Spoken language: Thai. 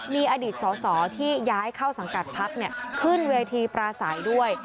มีอดีตสอสอที่ย้ายเข้าสังกัดพักขึ้นเวทีปราศัยด้วย